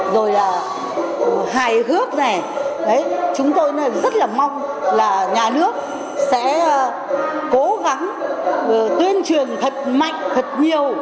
rồi là hài hước này chúng tôi rất là mong là nhà nước sẽ cố gắng tuyên truyền thật mạnh thật nhiều